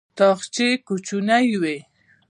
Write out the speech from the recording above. تاخچې یې کوچنۍ وې.